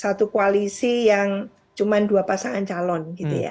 satu koalisi yang cuma dua pasangan calon